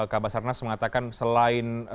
kak basarnas mengatakan selain